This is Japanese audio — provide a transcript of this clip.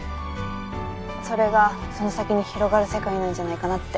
それがその先に広がる世界なんじゃないかなって。